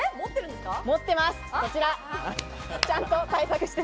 持っています、こちら。